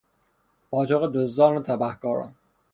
پاتوق دزدان و تبهکاران